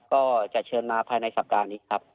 ก็จะเชิญมาภายในสัปดาห์นี้ครับ